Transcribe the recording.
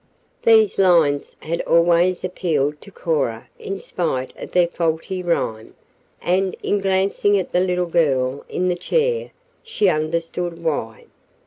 These lines had always appealed to Cora in spite of their faulty rhyme, and, in glancing at the little girl in the chair, she understood why.